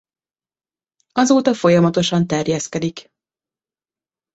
Azóta folyamatosan terjeszkedik.